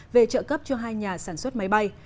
về trợ cấp cho hai nhà sản xuất máy bay